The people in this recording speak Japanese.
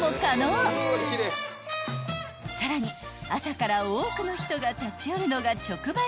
［さらに朝から多くの人が立ち寄るのが］